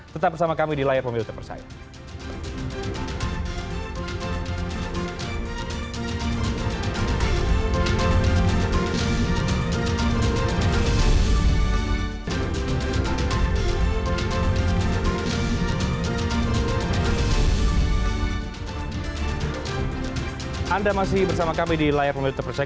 tetap bersama kami di layar pemilu terpercaya